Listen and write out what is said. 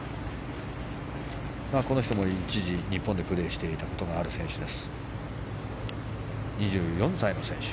この人も一時、日本でプレーしていたことがある選手。